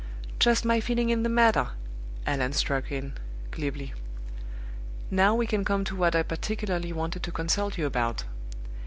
"Just my feeling in the matter!" Allan struck in, glibly. "Now we can come to what I particularly wanted to consult you about.